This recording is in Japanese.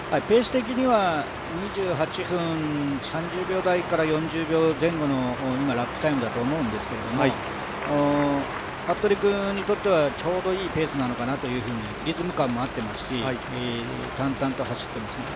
ペース的には２８分３０秒台から４０秒前後の今ラップタイムだと思うんですけど、服部君にとってはちょうどいいペースなのかなと、リズム感も合ってますし、淡々と走ってます